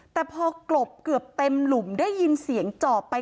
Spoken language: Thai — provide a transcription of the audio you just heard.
แต่พอกลบเกือบเต็มหลุมได้ยินเสียงจอบไป